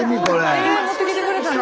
え持ってきてくれたの？